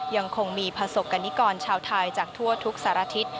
ยังคงมีประสบกรณิกรชาวไทยจากทั่วทุกสารทิศ